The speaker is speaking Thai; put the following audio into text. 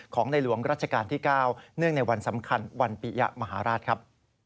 ในหลวงรัชกาลที่๙เนื่องในวันสำคัญวันปียะมหาราชครับ